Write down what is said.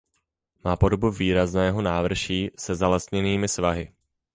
Má podobu výrazného návrší se zalesněnými svahy.